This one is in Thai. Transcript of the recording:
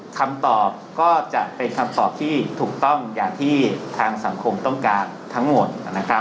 คำตอบก็จะเป็นคำตอบที่ถูกต้องอย่างที่ทางสังคมต้องการทั้งหมดนะครับ